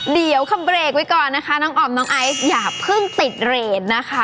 เดี๋ยวคำเบรกไว้ก่อนนะคะน้องออมน้องไอซ์อย่าเพิ่งติดเรทนะคะ